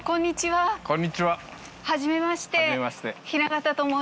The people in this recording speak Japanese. はじめまして。